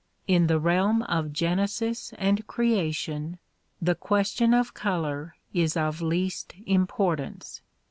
In the realm of genesis and creation the question of color is of least importance.